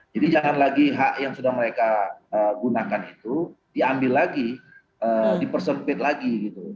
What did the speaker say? jadi jangan lagi hak yang sudah mereka gunakan itu diambil lagi dipersempit lagi